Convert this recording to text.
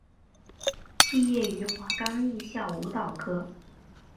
毕业于华冈艺校舞蹈科。